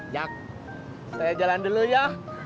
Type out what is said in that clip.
ya saya jalan dulu ya